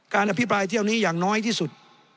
อภิปรายเที่ยวนี้อย่างน้อยที่สุด